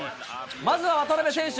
まずは渡邊選手。